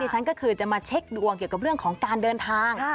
ฉันก็คือจะมาเช็คดวงเกี่ยวกับเรื่องของการเดินทาง